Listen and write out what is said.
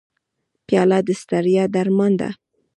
پیاله د ستړیا درمان ده.